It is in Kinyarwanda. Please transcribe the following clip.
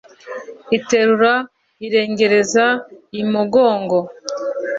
Iterura irengereza imugongo;